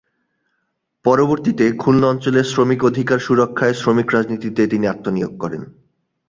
পরবর্তীতে খুলনা অঞ্চলের শ্রমিক অধিকার সুরক্ষায় শ্রমিক রাজনীতিতে আত্মনিয়োগ করেন।